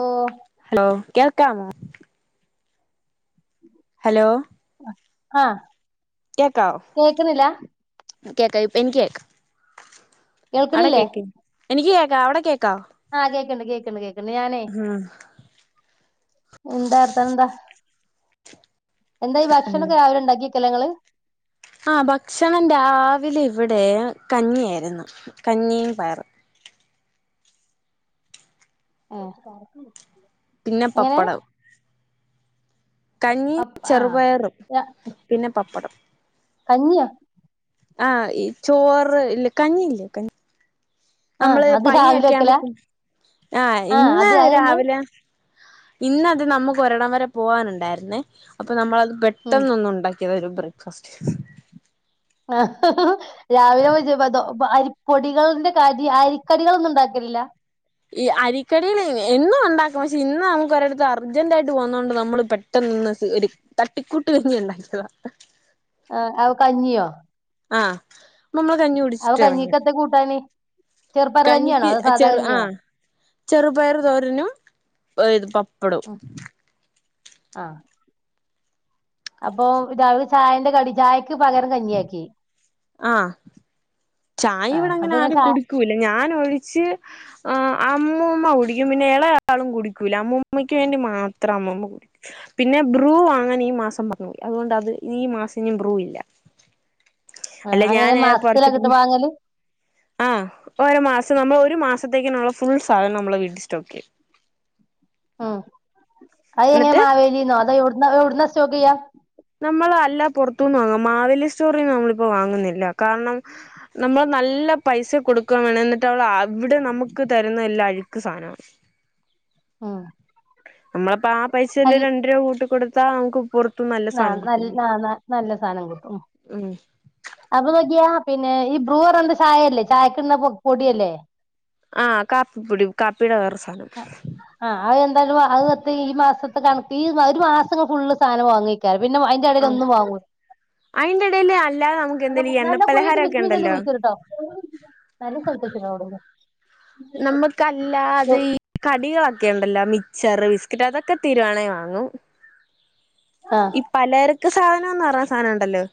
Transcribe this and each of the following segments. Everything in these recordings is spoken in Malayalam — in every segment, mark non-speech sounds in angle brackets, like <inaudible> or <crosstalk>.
ഓ ഹലോ കേ കാമോ ഹലോ ഹാ കേക്കുന്നില്ലാ കേക്കാ ഇപ്പ എനിക്ക് കേക്ക ആട കേക്ക എനി കേക്കാം അവിടെ കേക്കാ ആ കേക്കണ്ട് കേക്കണ്ട് കേക്കണ്ട് ഞാനേ ഉം എന്താ അർത്ഥം എന്താ എന്താ ഈ ഭക്ഷണൊക്കൊ രാവിലെ ഉണ്ടാക്കി കേലങ്ങള് ആ ഭക്ഷണം രാവിലെ ഇവിടെ കഞ്ഞിയായിരുന്നു കഞ്ഞിയും പയറും ഏ പിന്നെ പപ്പടം കഞ്ഞീ പപ്പ് ആഹ് ചെറുപയറും പിന്നെ പപ്പടം അന്യ ആ ഈ ചോറ് ഇല്ലേ കഞ്ഞി ഇല്ലേ കഞ്ഞി ആഹ് നമ്മള് അത് രാവിലെ പനിയൊക്കെ വെക്കലാ ആകുമ്പോ ആ ആഹ് ഇന്ന് അത് അതന്നെ രാവിലെ ഇന്ന് അത് നമുക്ക് ഒരിടം വരെ പോകാനുണ്ടായിരുന്നേ അപ്പൊ നമ്മളത് ഉം പെട്ടെന്നൊന്നുണ്ടാക്കി ബ്രേക്ഫാസ്റ്റ് ആഹ രാവിലെ <unintelligible> പൊടികളിന്റെ കാരി അരിക്കടികളൊന്നും ഉണ്ടാക്കലില്ല ഈ അരിക്കടിൽ എന്നും ഉണ്ടാക്കും പക്ഷെ ഇന്ന് നമുക്ക് ഒരിടത്ത് അർജന്റ് ആയിട്ട് പോവതോണ്ട് നമ്മൾ പെട്ടെന്ന്ഒന്ന് ഒരു തട്ടിക്കൂട്ട് കഞ്ഞി ഉണ്ടാക്കിയതാ ആ അവ കഞ്ഞിയോ ആഹ അവ കഞ്ഞികെന്താ കൂട്ടാനെ കഞ്ഞിക്ക് ചെറു ആഹ ചെറുപയർ തോരനും ഇത് പപ്പാ- ടോം ആ അപ്പൊ ഇത ചായന്റെ കടി ചായ ക്ക് പകരം കഞ്ഞിയ ആക്കി ആ ചായ ഇവിടെ അപ്പൊ അങ്ങനെ നിങ്ങൾ ആരും ചായ കുടിക്കൂല്ല ഞാൻ ഒഴിച്ച് ആ അമ്മൂമ്മ കുടിക്കും പിന്നെ ഇളയാളും കുടിക്കൂല അമ്മൂമ്മയ്ക്ക് വേണ്ടി മാത്രം അമ്മുമ്മ കുടിക്കും പിന്നെ ബ്രൂ വാങ്ങാൻ ഈ മാസം മറന്ന് പോയി അതുകൊണ്ട് അത് ഈ മാസം ബ്രൂ ഇല്ല ആ അങ്ങനെ മാസത്തിലകത്ത് ആഹ ഒരോ മാസം നമ്മൾ ഒരു മാസത്തേക്കിനുള്ള ഫുൾ സാധനം നമ്മൾ വീട്ടിൽ സ്റ്റോക്ക് ചെയ്യും ആ അത്ങ്ങനെ എന്നിട്ട് മാവേലിന്നോ അതാ എവി- എവിടന്നാ സ്റ്റോക്ക് ചെയ്യാ നമ്മൾ അല്ല പുറത്തുനിന്ന് വാങ്ങാം മാവേലി സ്റ്റോറിൽന്ന് നമ്മളിപ്പോ വാങ്ങുന്നില്ല കാരണം നമ്മൾ നല്ല പൈസ കൊടുക്കൻ വേണം എന്നിട്ട് അവള് അവിടെ നമുക്ക് തരുന്ന എല്ലാ അഴുക്ക് സാധനമാണ് ഉം നമ്മളപ്പോ ആ പൈസയില് അൽ രണ്ട രൂപ കൂട്ടികൊടുത്ത് പകുപ്പുരുത് ആ ന ആ നല്ല സാധനം കിട്ടും ഉം അപ്പൊ നോക്കിയാ പിന്നെ ഈ ബ്രൂപറയാണ ചായയല്ലേ ചായക്കിടുന്നൊ പൊടിയല്ലേ ആഹ് കാപ്പിപ്പൊടി കാപ്പീടെ വേറെ സാധനം ആ അ വെന്തായാലും അത്തെ ഈ മാസത്തെ ണ് ഈ ഒരു മാസങ്ങള് ഫുള് സാധനം വാങ്ങിക്കാർ പിന്നെ അയിന്റെ ഇടയിൽ ആഹ് ഒന്നും വാങ്ങൂല്ല അയിന്റെ ഇടയിൽ അല്ലാതെ നമുക്ക് എന്തേലും ഈ നല്ലയിട്ട് എണ്ണപ്പലഹാരമൊക്കെ വിമല്ല ഉണ്ടല്ലോ കുഴിച്ച കേട്ടോ നല്ല സന്തോഷട്ടോ അവിടെ നമ്മക്കാല്ലാ- ല്ലത് ഈ കടികൾ ക്കണ്ടല്ലോ മിച്ചാർ ബിസ്ക്കറ്റ് അതൊക്കെ തീരുവാണെ വാങ്ങൂ ആ ഈ പലർ- ക്ക്‌ സാധനം എന്ന് പറന്നാ സാധനം ഉണ്ടല്ലോ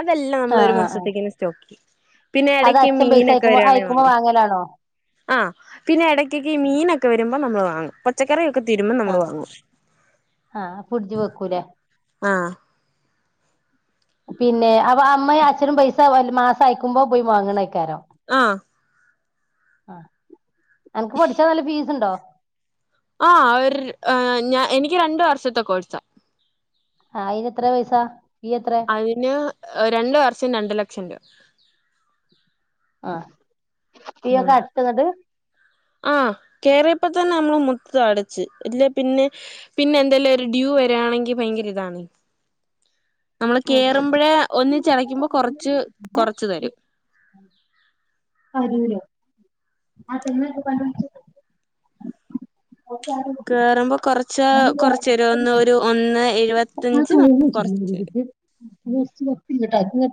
അതല്ലാം ആ നമ്മൾ ഒരു ആ മാസത്തേക്കെഅങ്ങ് സ്റ്റോക്ക് ചെയ്യും പിന്നെ അത് ഇടക്ക് അച്ഛൻ പൈസ മീനൊക്കെ അയക്കുമ്പോ അയക്കുമ്പോ വരുവാണെങ്കിൽ വാങ്ങലാണോ ആ പിന്നെ ഇടക്കൊക്കെ ഈ മീനൊ രുമ്പോ നമ്മൾ വാങ്ങും പച്ചക്കറിയൊ ആആ ഫ്രിഡ്ജി വെക്കൂലേ ആ പിന്നെ അപ്പ അമ്മയും അച്ഛനും പൈസ മാസം അയക്കുമ്പോ പോയി വാങ്ങണ ആ ആ എനക്ക് പഠിച്ചാ നല്ല ഫീസ് ഉണ്ടോ ആ ഒരു ഞ എനിക്ക് രണ്ടു വർഷത്തെ കോഴ്സാ ആ അയിന് എത്ര പൈസാ അതിന് രണ്ട വർഷം രണ്ടു ലക്ഷം രൂപ ആ ഫീ ഉം ഒക്കെ അടച്ചന്നിട്ട് ആ കേറിയ ഇപ്പ തന്നെ നമ്മള് മൊത്തൊമടച്ച് അല്ലെ പിന്നെ പിന്നെ എന്തെല്ല ഒരു ഡ്യൂ വരിയാണെങ്കി ഭയങ്കര ഇതാണ് നമ്മള് ഉം കേയറുമ്പോഴ ഒന്നിച്ചിടയ്ക്കുമ്പോ കൊറച്ച് കൊറച്ച് തരും <unintelligible> ആ കേയറ്മ്പോ കുറച്ച് കുറച്ച് ഒരു ഒന്ന് ഒരു എഴുപത്തി <unintelligible> <unintelligible> <unintelligible>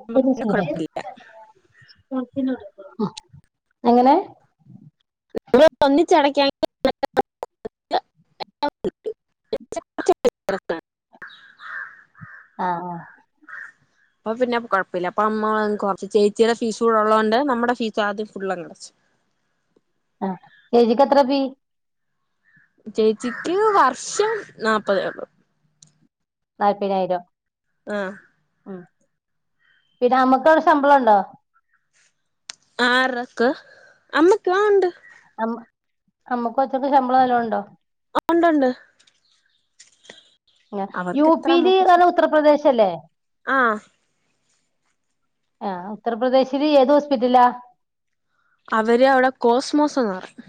അപ്പൊ പിന്നെ കൊഴപ്പല്ല ആ എങ്ങനെ നമ്മ ഒന്നിച്ചടക്കാങ്കിൽ <unintelligible> ആ ആ അപ്പൊ പിന്നെ കുഴപ്പമില്ല അപ്പൊ അമ്മ കുറച്ച് ചേച്ചിയുടെ ഫീസ് കൂടെള്ളതോണ്ട് നമ്മുടെ ഫീസ് ആദ്യം ഫുള്ളങ്ങടച്ചു ആ ചേച്ചിക്ക്ത്ര ഫീ ചേച്ചിക്ക് വർഷം നാല്പതേയുള്ളൂ നാല്പതിനായിരോ ആ ഉം പിന്നെ നമ്മക്കവിടെ ശമ്പളമുണ്ടോ ആറക്ക് അമ്മക്ക് ഉം ഉണ്ട് മ്മ അമ്മക്ക് അച്ചക്ക ശമ്പളം വല്ലോണ്ടോ ആ ഉണ്ട്ണ്ട് യു എത്ര പി യില് അമ്മക്ക് എന്ന ഉത്തർപ്രദേശല്ലേ ആ ആ ഉത്തർപ്രദേശില് ഏത് ഹോസ്പിറ്റലാ അവര് അവിടെ കോസ്മോസ്ന്ന് പറയും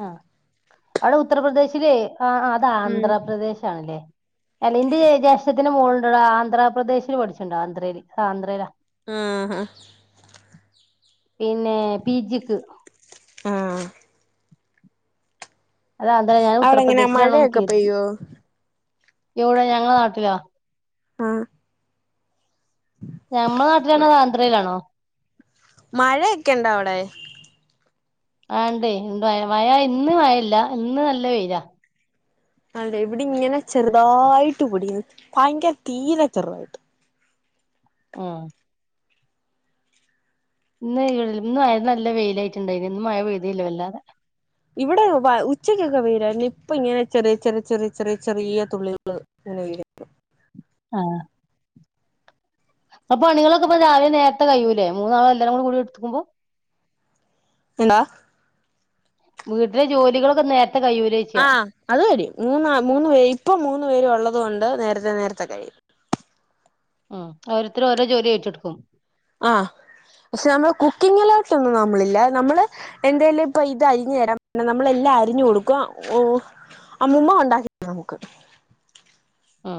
ആ അവിടെ ഉത്തർപ്രദേശിലെ ആ അത് ഉം ആന്ധ്രാപ്രദേശ് ആണല്ലേ അല്ല ഇന്റ ജേഷ്ഠ ഇതിന് മുകളിലുള്ള ആന്ധ്രാപ്രദേശിൽ പഠിച്ചിണ്ടോ ആന്ധ്രയി ആന്ധ്രയില മ്മ്ഹ് പിന്നെ പിജിക്ക് ആഹ് അത ആന്ധ്ര ഞാൻ അവിടെ എങ്ങനെ ഉത്തർപ്രദേശിലാണോന്ന് മഴയൊക്കെ കരുതി പെയ്യോ എവിടെ ഞങ്ങള നാട്ടിലോ ആ ഞമ്മ നാട്ടിലാണോ അതോ ആന്ധ്രയിലാണോ മഴയൊക്കെ ഉണ്ടോ അവിടെ ആ ഉണ്ടേയ് മഴ ഇന്ന് മഴ ഇല്ല ഇന്ന് നല്ല വെയിലാ ആണല്ലേ ഇവിടിങ്ങന ചെറുതായിട്ട് പൊടിയണ് ഭയങ്കര തീരെ ചെറുതായിട്ട് മ് ഇന്ന് <unintelligible> ഇന്ന് ഇന്ന് നല്ല വെയിലായിട്ടുണ്ടായിരുന്നു ഇന്ന് മഴ പെയ്തില്ല വല്ലാതെ ഇവിടെ വ ഉച്ചക്കൊക്കെ വെയിലായിരുന്നു ഇപ്പൊ ഇങ്ങനെ ചെറിയ ചെറിയ ചെറിയ ചെറിയ ചെറിയ തുള്ളികള് ഇങ്ങനെ വീഴുന്നു ആ അപണികളൊക്കെ ഇപ്പൊ രാവിലെ നേരത്തെ കഴിയൂലെ മൂന്നാളും എല്ലാരും കൂടി എടുത്ത്ക്കുമ്പോ എന്താ വീട്ടിലെ ജോലികളൊക്കെ നേ ആ അത് വരും മൂന്നാ മൂന്ന്പേ ഇപ്പം മൂന്ന് പേര് ഉള്ള തുകൊണ്ട് നേരത്തെ നേരത്തെ കഴിയും ഉം ഓരോരുത്തര് ഓരോ ജോലി ഏറ്റെടുക്കും ആ പക്ഷെ നമ്മള് കുക്കിങ്ങിലോട്ടൊന്നും നമ്മളില്ല നമ്മള് എന്തേലും ഇപ്പൊ ഇത് അരിഞ്ഞു തരാൻ പറഞ്ഞനമ്മളെല്ലാം അരിഞ്ഞു കൊടുക്ക-ഓഹ് അമ്മൂമ്മ ഒണ്ടാക്കി തരും നമുക്ക് അ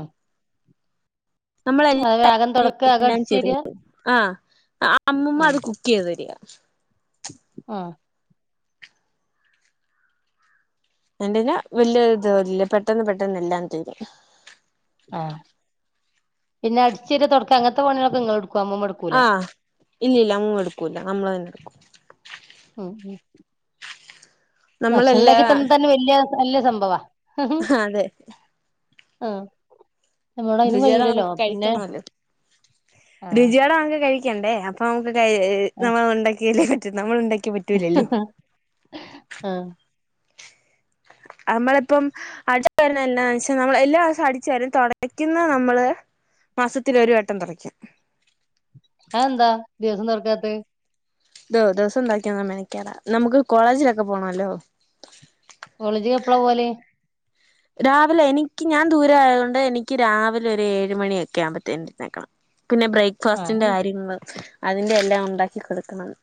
നമ്മള് എല്ല <unintelligible> തൊടക്കാ അകം എല്ലാം ചെയ്ത് അടിച്ചേരാ ആഹ് അമ്മൂമ്മ ഉം അത് കുക്കെയ്ത് തരിക ആഹ് എൻ്റെന് വെല്യ ജോലി ഇല്ല പെട്ടെന്ന് പെട്ടെന്ന് എല്ലാം തീരും ആഹ് പിന്നെ അടിച്ചുവാരി തൊടക്ക അങ്ങൻത്തെ പണിയാളൊക്കെ ങ്ങള്ട് ആഹ് ഇല്ലില്ല അമ്മൂമ്മ എടുക്കൂല്ല നമ്മള് തന്നെ എടുക്കും ഉം ഉം ഭക്ഷണം നമ്മളെല്ലാ ണ്ടാക്കി തന്നതെന്നെ വെല്യ വെല്യ സംഭവ ആഹ് അതെ ആഹ് നമ്മളോട് അയിനും രുചിയോടെ കഴിയൂലല്ലോ നമുക്ക് പിന്നെ കഴിക്കണോലോ ആഹ് രുചിയോടെ നമുക്ക് കഴി ക്കണ്ടേ അപ്പൊ നമുക്ക് <unintelligible> ആഹ് നമ്മൾ ഉണ്ടാക്കിയേൽ ച്ച് നമ്മൾ ഉണ്ടാ ആഹ് നമ്മളിപ്പം അടിച്ചു വരുന്ന എന്താന്ന്വച്ച നമ്മള് എല്ലാദിവസവും അടിച്ചു വാരും തുടയ്ക്കുന്നത് നമ്മള് മാസത്തില് ഒരു വട്ട തുടക്ക അതെന്താ ദിവസവും തുടയ്ക്കാത്തത്. ദ്-ദിവസം <unintelligible> മെനക്കേട നമുക്ക് കോളേജിലൊക്കെ പോണോല്ലോ. കോളേജി എപ്പളാ പോവല്? രാവിലെ എനിക്ക് ഞാൻ ദൂര ആയത് കൊണ്ട് എനിക്ക് രാവിലെ ഒരു ഏഴ് മണിയൊക്കെ ആവുമ്പത്തേനും നേക്കണം. പിന്നെ ആഹ് ബ്രേക്ക്ഫാസ്റ്റിന്റെ കാര്യങ്ങള് അതിൻ്റെ എല്ലാം ഉണ്ടാക്കി കൊടുക്കണംന്ന്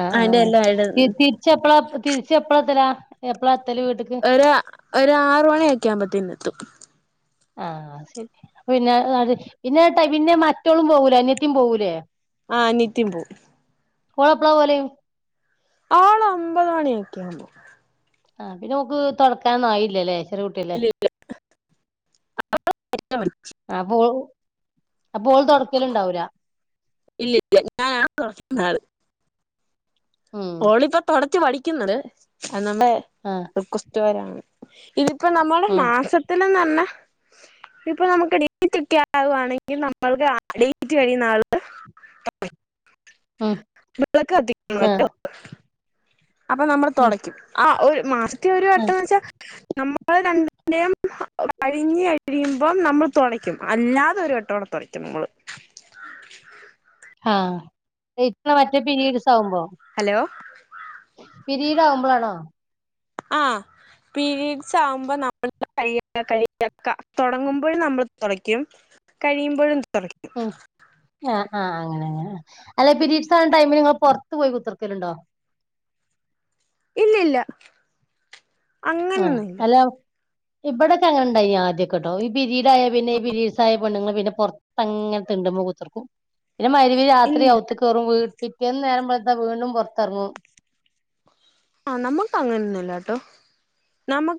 ആ ആആ തിരിച്ചപ്പള തിരിച്ചപ്പളാത്തലാ എപ്പള ഒരു ഒരു ആറു മണിക്കെ ആവുമ്പോത്തിന് ത്തും ആ ശരി പിന്നെ പിന്നെട്ട പിന്നെ മറ്റോളും പോകൂലെ അനിയത്തീം പോകൂലേ ആ അനിയത്തീം പോവും ഓളെപ്പളാ പോവൽ ആള് അമ്പത് മണിയൊക്കെവുമ്പോ ആ പിന്നെഓക് തോടക്കാനൊന്നും ആയില്ലല്ലേ ചെറിയെ കുട്യല്ലേ ആ പോൾ അപ്പോഓള് തുടക്കലുണ്ടാവുല ഇല്ലില്ല ഞാനാണ് ഹോളിപ്പ തൊട ച്ച് പഠിക്കുന്നത് അത് നമ്മുടെ ആഹ് റിക്വസ്റ്റുകാരാണ് ഇത് ഇപ്പൊ നമ്മുൾ ഉം മാസത്തില് <unintelligible> ഇപ്പൊ നമുക്ക് ഡേറ്റ് ഒക്കെ ആവുവാണെങ്കിൽ നമ്മൾക്ക് ഡേറ്റ് കഴിയുന്ന ആള് വിളക്ക് കത്തിക്കണല്ലോ അ അപ്പൊ നമ്മൾ തുടയ്ക്കും ആ ഒരു മാർസ് <unintelligible> ഒരു ആഹ് വട്ടെന്ന് വെച്ചാൽ നമ്മള് രണ്ടം <unintelligible> കഴിഞ്ഞ കഴിയുമ്പം നമ്മൾ തുടയ്ക്കും അല്ലാതെ ഒരു വട്ടോടെ തുടയ്ക്കും നമ്മള് ആ ഇ മറ്റേ പിരീഡ്സ് ആവുമ്പോളോ ഹലോ പിരീഡ് ആവുമ്പോളാണോ ആ പീരീഡ്‌സ് ആവുമ്പോ നമ്മൾ ക കഴ തുടങ്ങുമ്പോഴും നമ്മൾ തുടയ്ക്കും കഴിയുമ്പോഴും തു ഉം ആഹ ആഹ അ അ അല്ലെ പിരീഡ്സ് ആവണ ടൈമിൽ നിങ്ങൾ പുറത്തു പോയി കുത്തിർക്കലുണ്ടോ? ഇല്ലില്ല അങ്ങനൊന്നും ഇല്ല. ഇവിടൊക്കെ അങ്ങനെ ഇണ്ടായിനി ആദ്യൊക്കെട്ടോ ഈ പിരീഡായ പിന്നെ ഈ പിരീഡസ് ആയ പെണ്ണുങ്ങള് പിന്നെ പുറത്തങ്ങനെ തിണ്ടുമ്മേ കുത്തിർക്കും. പിന്നെ മരുവി രാത്രി ഇല്ല ഔത്ത്കയറും വീ പിറ്റേന്ന് നേരംവെള്ത വീണ്ടും പൊറത്തറങ്ങും ആഹ നമ്മുക്ക് അങ്ങനെന്നൂല്ലാട്ടോ നമ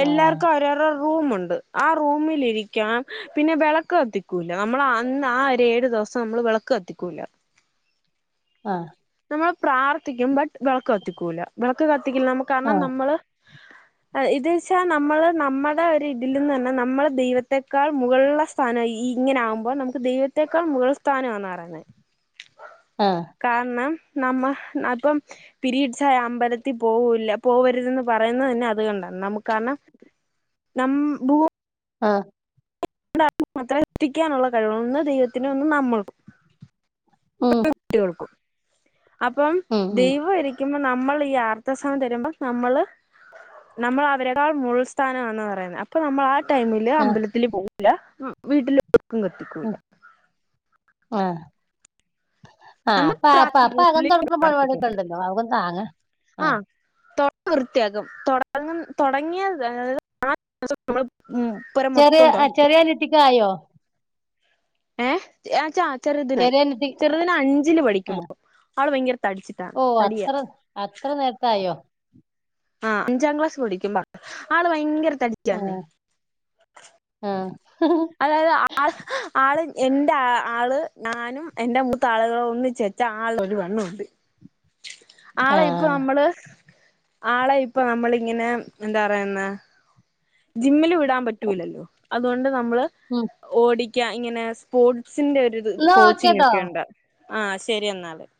ആഹ് എല്ലാർക്കുംഅവരോർരോ റൂമുണ്ട് ആ റൂമിലിരിക്കാൻ പിന്നെ വിളക്ക് കത്തിക്കൂല നമ്മൾ അന്ന് ആ ഒരു ഏഴ് ദിവസം നമ്മൾ വിളക്ക് കത്തിക്കൂല ആ നമ്മൾ പ്രാർത്ഥിക്കും ബട് വിളക്ക് കത്തിക്കൂല്ല വിളക്ക് ക എ നമ്മുക്ക് കാരണം ആഹ് നമ്മള് ഇത ച്ചാ നമ്മള് നമ്മുടെ ഒരു ഇതിലിന്ന് പറഞ്ഞ നമ്മള് ദൈവത്തക്കാൾ മുകളിലുള്ള സ്ഥാനം ഈ ഇങ്ങനെ ആകുമ്പോൾ നമുക്ക് ദൈവത്തെക്കാൾ മുകൾ സ്ഥാനമാന്ന് പറയുന്നത് ആഹ് കാരണം നമ്മ ഇപ്പം പിരീഡ്സായ അമ്പലത്തിൽ പോവൂല്ല പോവരുതെന്ന് പറയുന്നത് തന്നെ അത് കണ്ടാണ് നമുക്ക് കാരണം നമ് ഭൂ ആഹ മാത്ര സൃഷ്ടിക്കാനുള്ള കഴിവ ഒന്ന് ദൈവത്തിന്റെ ഒന്നും നമ്മൾക്കും ഉം ട്ടികൾക്കും അപ്പം ഉം ഉം ദൈവം ഇരിക്കുമ്പ നമ്മൾ ഈ ആർത്തവ സമം തരുമ്പോൾ നമ്മള് നമ്മൾ അവരെക്കാൾ മുൾ സ്ഥാനാന്ന് പറയുന്നത് അപ്പൊ നമ്മൾ ആ ടൈമില് ആഹ് അമ്പലത്തിൽ പോകും ല്ലാ വീട്ടില ളക്കും കത്തിക്കൂല ആഹ ആഹ് നമ്മൾ അപ്പപ്പ അപ്പ അകം തുടക്കുന്ന പരിപാടി പ്രാർത്ഥിക്കും ഒക്കെ ഉണ്ടല്ലോ അകും താങ്ങ ആ തൊട വൃത്തിയാക്കും തുടങ്ങും തുടങ്ങിയ ആ ദിവസം നമ്മൾ ചെറിയ ചെറിയ നെട്ടിക്ക ആയോ ഏ അഛ ചെറുതിനിനായി ചെറിയ അനിയത്തി ചെറുതിന് അഞ്ചില് പഠിക്കുമ്പോൾ ആള് ഭയങ്കര തടിച്ചിട്ടാണ് ഓ തടിയാ അത്ര അത്ര നേരത്തായോ? ആഹ് അഞ്ചാം ക്ലാസ് പടിക്കുമ്പ ആള് ഭയങ്കര തടിക്കാണ് ആഹ് ആഹ് അതായത് ആ ആള് എന്റെ ആള് ഞാനും എന്റെ മൂത്ത ആളുകളും ഒന്നിച്ചേച്ച ആൾ ഒരു വണ്ണംണ്ട് ആളെ ഇപ്പൊ ആഹ് നമ്മള് ആളെ ഇപ്പൊ നമ്മളിങ്ങനെ എന്താ പറയുന്ന ജിമ്മില് വി ടാൻ പറ്റൂല്ലല്ലോ അതുകൊണ്ട് നമ്മള് ഉം ഓടി ക്ക ഇങ്ങനെ സ്പോർട് സിന്റെ ഒരു ഇത് ത എന്നാ ഓക്കേട്ടോ കോച്ചിങ്ങൊക്കെ ഒണ്ട് ആഹ് ശെരി എന്നാല്